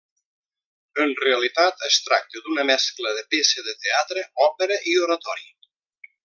En realitat es tracta d'una mescla de peça de teatre, òpera i oratori.